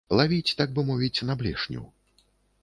Лавіць, так бы мовіць, на блешню.